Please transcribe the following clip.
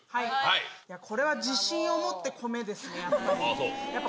これは自信を持って米ですね、やっぱり。